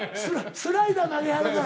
スライダー投げはるから。